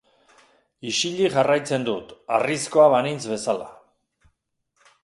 Isilik jarraitzen dut, harrizkoa banintz bezala.